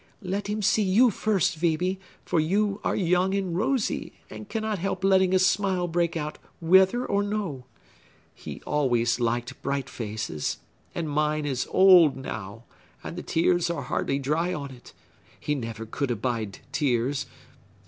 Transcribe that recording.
"Let him see you first, Phœbe; for you are young and rosy, and cannot help letting a smile break out whether or no. He always liked bright faces! And mine is old now, and the tears are hardly dry on it. He never could abide tears.